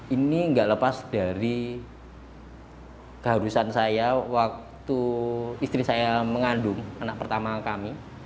ini nggak lepas dari keharusan saya waktu istri saya mengandung anak pertama kami